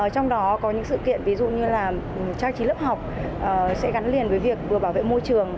trong đó có những sự kiện ví dụ như là trang trí lớp học sẽ gắn liền với việc vừa bảo vệ môi trường